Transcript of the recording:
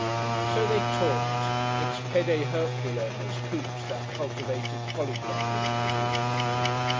So they talked. Ex pede Herculem, as Coote, that cultivated polyglot, would have put it.